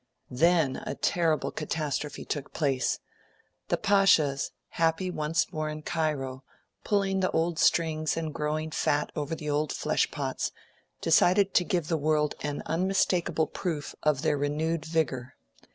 Then a terrible catastrophe took place. The Pashas, happy once more in Cairo, pulling the old strings and growing fat over the old flesh pots, decided to give the world an unmistakable proof of their renewed vigour.